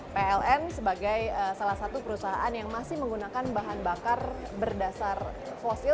pln sebagai salah satu perusahaan yang masih menggunakan bahan bakar berdasar fosil